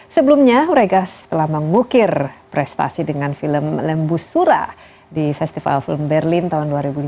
sebelumnya regas telah mengukir prestasi dengan film lembusura di festival film berlin tahun dua ribu lima belas